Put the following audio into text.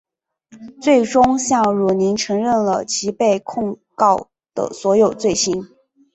最终向汝霖承认了其被控告的所有罪行。